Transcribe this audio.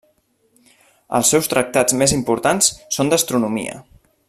Els seus tractats més importants són d'astronomia.